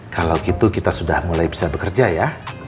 kalau gitu kita sudah mulai bisa bekerja ya